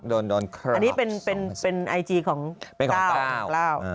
อันนี้เป็นไอจีของก้าว